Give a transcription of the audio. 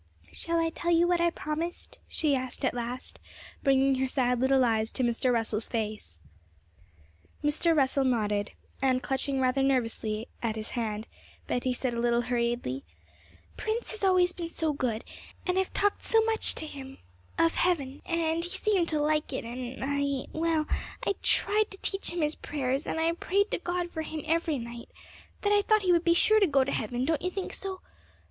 'Shall I tell you what I promised?' she asked at last, bringing her sad little eyes to Mr. Russell's face. Mr. Russell nodded, and clutching rather nervously at his hand, Betty said a little hurriedly, 'Prince has always been so good, and I've talked so much to him of heaven, and he seemed to like it, and I well, I tried to teach him his prayers, and I've prayed to God for him every night, that I thought he would be sure to go to heaven, don't you think so?